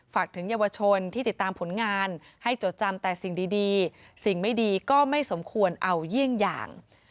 ฝากถึงเยาวชนที่ติดตามผลงานให้จดจำแต่สิ่งดีสิ่งไม่ดีก็ไม่สมควรเอาเยี่ยงอย่าง